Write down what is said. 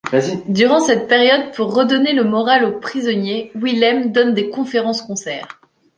Durant cette période, pour redonner le moral aux prisonniers, Willem donne des conférences-concerts.